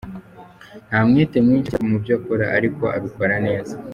Nta mwete mwinshi ashyira mu byo akora ariko abikora neza.